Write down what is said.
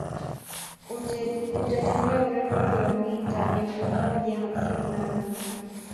Utatembea urefu wa kilomita elfu moja hamsini na nne